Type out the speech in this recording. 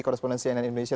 korrespondensi ann indonesia